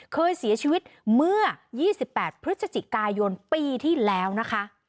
เคยเสียชีวิตเมื่อ๒๘พฤศจิกายนปีที่แล้วนะคะ